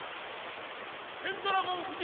・ペンドラゴン夫人！